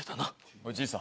おいじいさん。